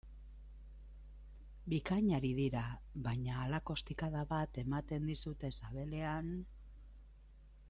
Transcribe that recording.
Bikain ari dira, baina halako ostikada bat ematen dizute sabelean...